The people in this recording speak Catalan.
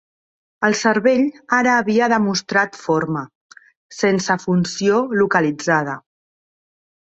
El cervell ara havia demostrat forma, sense funció localitzada.